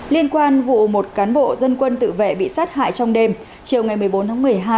liên quan vụ một cán bộ dân quân tự vệ bị sát hại trong đêm chiều ngày một mươi bốn tháng một mươi hai